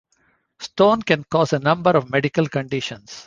Stones can cause a number of medical conditions.